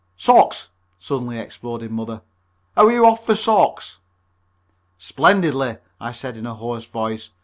"Socks!" suddenly exploded Mother. "How are you off for socks?" "Splendidly," I said in a hoarse voice.